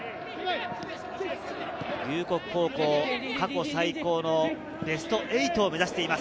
龍谷高校、過去最高のベスト８を目指しています。